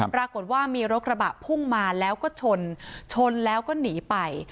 ปรากฏว่ามีรถกระบะพุ่งมาแล้วก็ชนชนแล้วก็หนีไป